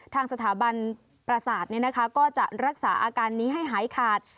ทางสถาบันประสาทก็จะรักษาอาการนี้ให้หายขาด